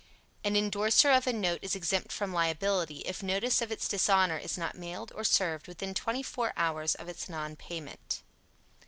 An indorser of a note is exempt from liability if notice of its dishonor is not mailed or served within twenty four hours of its non payment.